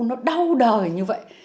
nó đau đời như vậy